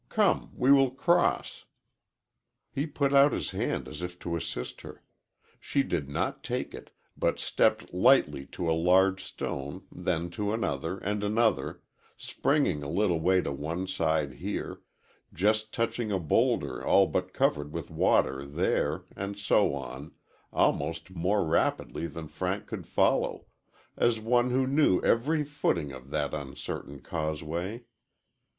Come, we will cross." He put out his hand as if to assist her. She did not take it, but stepped lightly to a large stone, then to another and another springing a little to one side here, just touching a bowlder all but covered with water there, and so on, almost more rapidly than Frank could follow as one who knew every footing of that uncertain causeway.